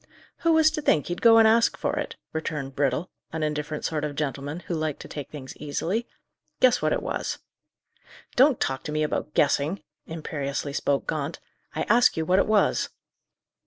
"Who was to think he'd go and ask for it?" returned Brittle, an indifferent sort of gentleman, who liked to take things easily. "Guess what it was." "Don't talk to me about guessing!" imperiously spoke Gaunt. "I ask you what it was?"